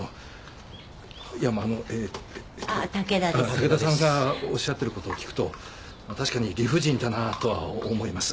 武田さんがおっしゃってることを聞くとまあ確かに理不尽だなとは思います。